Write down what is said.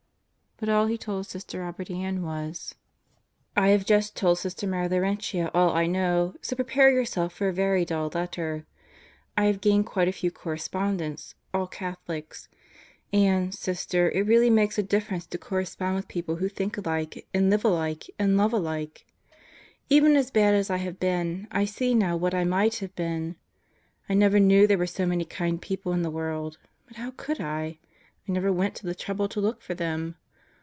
But all he told Sister Robert Ann was: I have just told Sister Mary Laurentia all I know, so prepare yourself for a very dull letter. I have gained quite a few correspond ents all Catholics. And, Sister it really makes a difference to correspond with people who think alike and live alike and love alike. Even as bad as I have been I see now what I might have been. I never knew there were so many kind people in the world. But how could I I never went to the trouble to look for them.